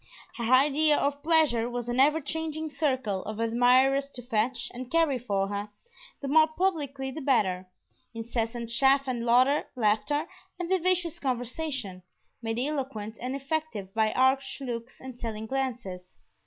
Her idea of pleasure was an ever changing circle of admirers to fetch and carry for her, the more publicly the better; incessant chaff and laughter and vivacious conversation, made eloquent and effective by arch looks and telling glances.